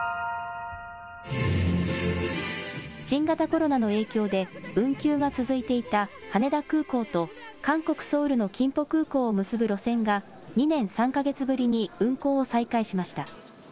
新型コロナの影響で運休が続いていた羽田空港と韓国・ソウルのキンポ空港を結ぶ路線が２年３か月ぶりに運航を再開しました。